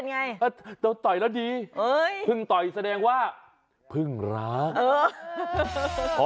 จะบอกให้นะครับ